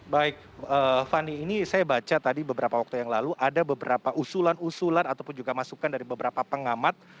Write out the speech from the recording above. baik fani ini saya baca tadi beberapa waktu yang lalu ada beberapa usulan usulan ataupun juga masukan dari beberapa pengamat